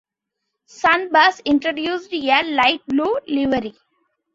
Sunbus introduced a light blue livery.